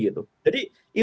jadi itu nanti bisa dikonsumsi